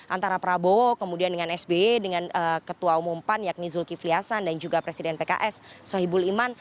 antara prabowo kemudian dengan sby dengan ketua umum pan yakni zulkifli hasan dan juga presiden pks sohibul iman